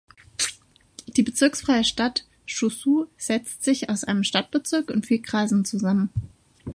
Die bezirksfreie Stadt Suzhou setzt sich aus einem Stadtbezirk und vier Kreisen zusammen.